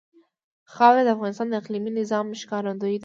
خاوره د افغانستان د اقلیمي نظام ښکارندوی ده.